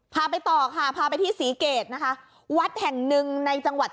พาไปต่อค่ะพาไปที่ศรีเกตนะคะวัดแห่งหนึ่งในจังหวัด